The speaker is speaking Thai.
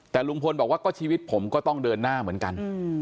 แต่ลุงพลบอกว่าก็ชีวิตผมก็ต้องเดินหน้าเหมือนกัน